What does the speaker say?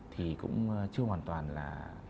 thì cũng chưa hoàn toàn là